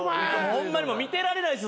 ホンマに見てられないです